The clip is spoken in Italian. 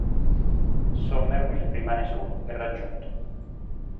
Somerville rimane solo, è raggiunto.